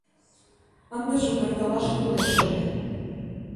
Ындыже пӧртылаш кӱлеш ыле.